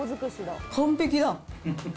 完璧だ。